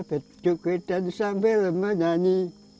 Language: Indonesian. berdukuit dan sambil menyanyi